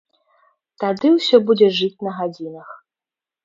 Тады ўсё будзе жыць на гадзінах.